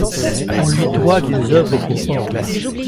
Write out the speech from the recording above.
On lui doit des œuvres pour orgue.